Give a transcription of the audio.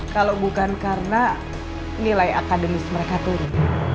kalau bukan karena nilai akademis mereka turun